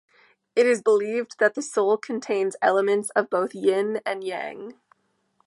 It is believed that the soul contains elements of both yin and yang.